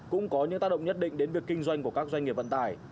cũng có những tác động nhất định đến việc kinh doanh của các doanh nghiệp vận tải